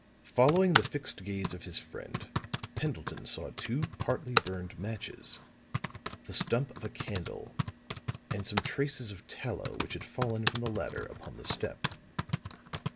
Following the fixed gaze of his friend, Pendleton saw two partly burned matches, the stump of a candle, and some traces of tallow which had fallen from the latter upon the step.